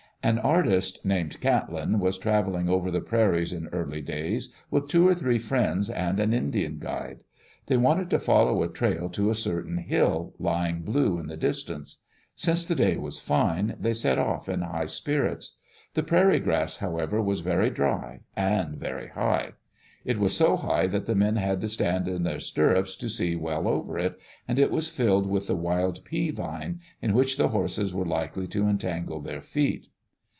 An artist named Catlin was traveling over the prairies in early days, with two or three friends and an Indian guide. They wanted to follow a trail to a certain hill, lying blue in the distance. Since the day was fine, they set off in high spirits. The prairie grass, however, was very dry and very high. It was so high that the men had to stand in their stirrups to see well over it, and it was filled with the wild pea vine, in which the horses were likely to entangle their feet.